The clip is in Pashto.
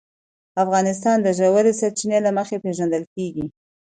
افغانستان د ژورې سرچینې له مخې پېژندل کېږي.